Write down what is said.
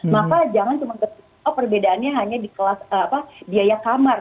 maka jangan cuma perbedaannya hanya di kelas biaya kamar